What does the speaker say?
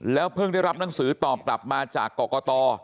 เพิ่งได้รับหนังสือตอบกลับมาจากกรกต